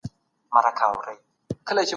ځینې خلک ولې قانون نه مني؟